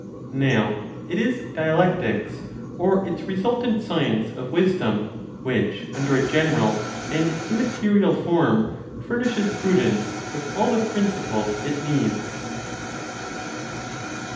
Now it is dialectics, or its resultant science of wisdom which, under a general and immaterial form, furnishes prudence with all the principles it needs.